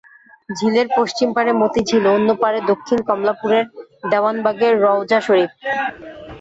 ঝিলের পশ্চিম পাড়ে মতিঝিল, অন্য পাড়ে দক্ষিণ কমলাপুরের দেওয়ানবাগের রওজা শরিফ।